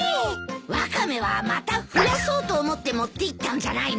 ワカメはまた増やそうと思って持っていったんじゃないの？